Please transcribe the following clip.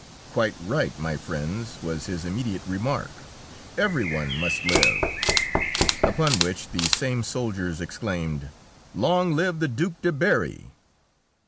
"Quite right, my friends," was his immediate remark; "every one must live." Upon which the same soldiers exclaimed, "Long live the Duke de Berri!"